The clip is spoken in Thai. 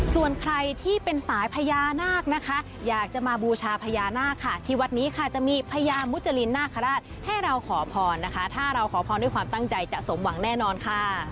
ส่วนใครที่เป็นสายพญานาคนะคะอยากจะมาบูชาพญานาคค่ะที่วัดนี้ค่ะจะมีพญามุจรินนาคาราชให้เราขอพรนะคะถ้าเราขอพรด้วยความตั้งใจจะสมหวังแน่นอนค่ะ